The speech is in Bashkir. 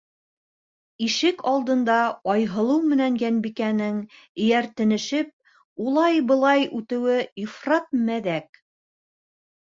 Ишек алдында Айһылыу менән Йәнбикәнең эйәртенешеп улай-былай үтеүе ифрат мәҙәк.